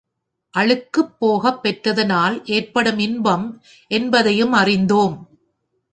அழுக்குப் போகப் பெற்றதனால் ஏற்படுவது இன்பம் என்பதையும் அறிந்தோம்.